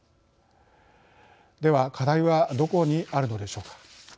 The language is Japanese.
では課題はどこにあるのでしょうか。